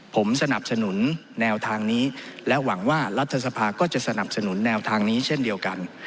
ผมสนับสนุนแนวทางนี้และหวังว่ารัฐสภาก็จะสนับสนุนแนวทางนี้เช่นเดียวกัน